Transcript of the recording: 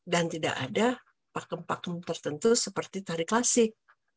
dan tidak ada pakem pakem tertentu seperti tari klasik